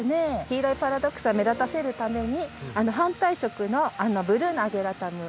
黄色いパラドクサを目立たせるために反対色のブルーのアゲラタム。